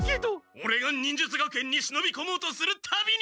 オレが忍術学園にしのびこもうとするたびに。